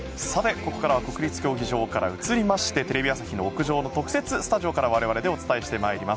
ここからは国立競技場から移りましてテレビ朝日の屋上の特設スタジオから我々でお伝えします。